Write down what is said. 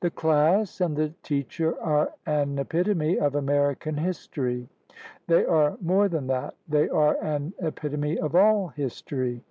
The class and the teacher are an epitome of American history. They are more than that. They are an epitome of all history.